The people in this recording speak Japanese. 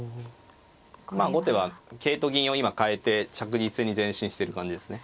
まあ後手は桂と銀を今換えて着実に前進してる感じですね。